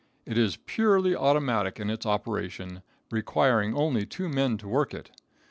It is purely automatic in its operation, requiring only two men to work it.